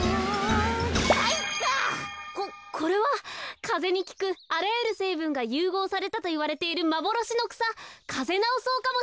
ここれはかぜにきくあらゆるせいぶんがゆうごうされたといわれているまぼろしのくさカゼナオソウかもしれません。